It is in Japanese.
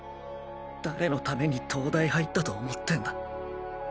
誰のために東大入ったと思ってんだ。